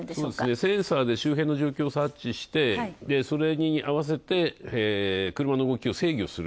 センサーで周辺の状況を察知してそれに合わせて車の動きを制御する。